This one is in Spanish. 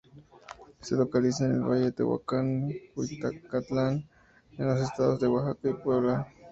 Se localiza en el valle de Tehuacán–Cuicatlán, en los estados de Oaxaca y Puebla.